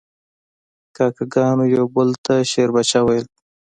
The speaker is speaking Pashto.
کاکه ګانو یو بل ته شیربچه ویل.